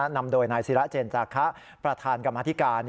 นำโดยนายศิราเจนจาคะประธานกรรมธิการ